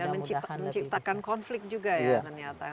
dan menciptakan konflik juga ya ternyata